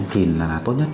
thì là tốt nhất